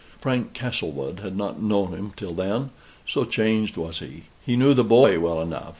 Frank Castlewood had not known him till then, so changed was he. He knew the boy well enough.